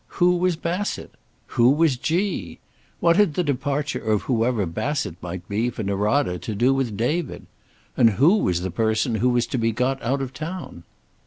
Who was Bassett? Who was "G"? What had the departure of whoever Bassett might be for Norada to do with David? And who was the person who was to be got out of town?